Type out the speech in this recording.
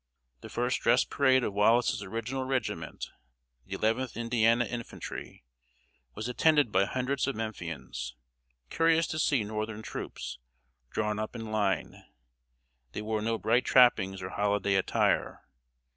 The first dress parade of Wallace's original regiment, the Eleventh Indiana Infantry, was attended by hundreds of Memphians, curious to see northern troops drawn up in line. They wore no bright trappings or holiday attire.